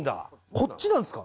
こっちなんすか？